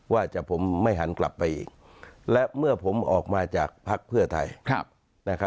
ว่าผมไม่หันกลับไปอีกและเมื่อผมออกมาจากภักดิ์เพื่อไทย